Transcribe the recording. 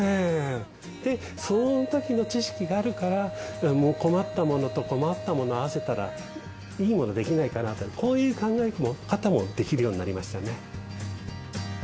そのときの知識があるから困ったものと困ったもの合わせたらいいものできないかなとこういう考え方もできるようになりましたね。